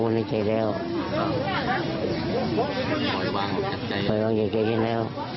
นะคะ